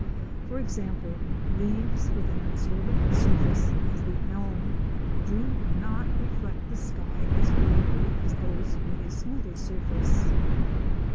For example, leaves with an absorbent surface, as the elm, do not reflect the sky as brightly as those with a smoother surface.